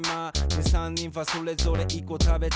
で３人はそれぞれ１こ食べた。